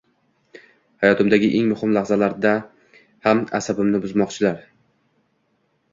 Hayotimdagi eng muhim lahzalarda ham asabimni buzmoqchilar